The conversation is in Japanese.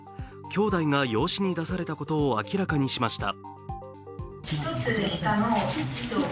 きょうだいが養子に出されたことを明らかにしました。